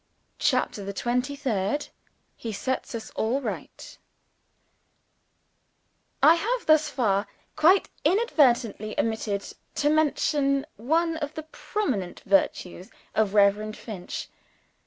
CHAPTER THE TWENTY THIRD He sets us All Right I HAVE thus far quite inadvertently omitted to mention one of the prominent virtues of Reverend Finch.